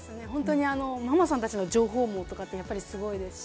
ママさんたちの情報網とかって、やっぱりすごいですし。